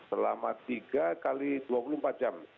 selama tiga x dua puluh empat jam